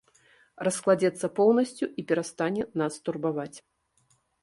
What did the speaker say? Раскладзецца поўнасцю і перастане нас турбаваць.